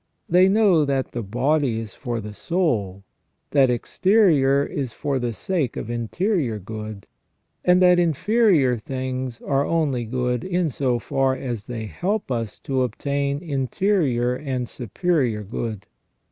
They know that the body is for the soul, that exterior is for the sake of interior good, and that inferior things are only good in so far as they help us to obtain interior and superior good.